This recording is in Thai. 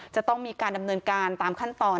จะต้องมีการดำเนินการตามขั้นตอน